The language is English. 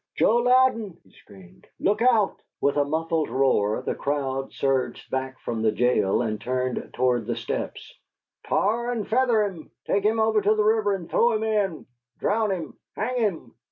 "JOE LOUDEN!" he screamed. "LOOK OUT!" With a muffled roar the crowd surged back from the jail and turned toward the steps. "Tar and feather him!" "Take him over to the river and throw him in!" "Drown him!" "Hang him!"